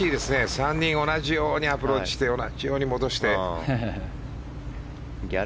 ３人同じようにアプローチして同じように戻して。